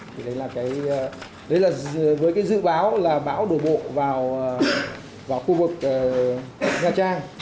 thế đấy là với cái dự báo là bão đổ bộ vào khu vực nha trang